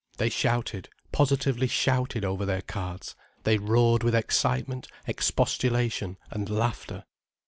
They shouted, positively shouted over their cards, they roared with excitement, expostulation, and laughter.